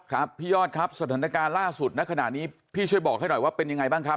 ครับพี่ยอดครับสถานการณ์ล่าสุดณขณะนี้พี่ช่วยบอกให้หน่อยว่าเป็นยังไงบ้างครับ